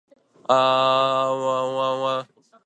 ダーツしたい